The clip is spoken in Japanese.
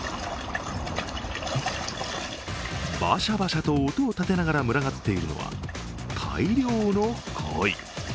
バシャバシャと音を立てながら群がっているのが大量のコイ。